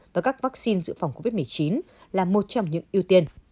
và các vaccine dự phòng covid một mươi chín là một trong những ưu tiên